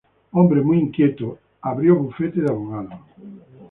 Hombre muy inquieto, abrió bufete de abogado.